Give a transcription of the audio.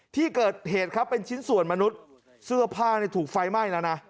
ที่เกิดเหตุครับเป็นชิ้นส่วนมนุษย์เสื้อผ้าถูกไฟไหม้แล้วนะ